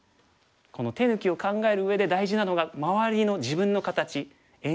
この手抜きを考えるうえで大事なのが周りの自分の形援軍がいるかな？